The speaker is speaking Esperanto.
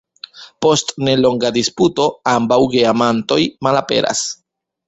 Post nelonga disputo, ambaŭ geamantoj malaperas.